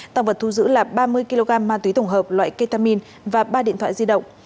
tăng vật thu giữ là ba mươi kg ma túy tổng hợp loại ketamin và ba điện thoại di động